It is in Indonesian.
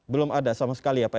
belum ada sama sekali ya pak